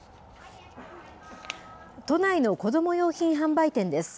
都内の子ども用品販売店です。